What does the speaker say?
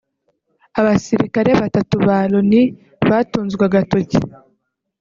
Abasirikare batatu ba Loni batunzwe agatoki